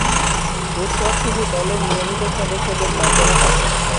এরপর থেকেই দলের নিয়মিত সদস্যের মর্যাদা পান।